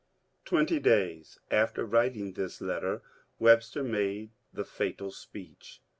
Twenty days after writing this letter Webster made the fatal speech.